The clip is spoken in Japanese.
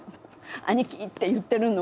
「兄貴」って言ってるの。